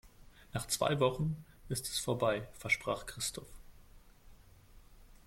Nach zwei Wochen ist es vorbei, versprach Christoph.